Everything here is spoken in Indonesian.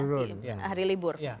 di hari libur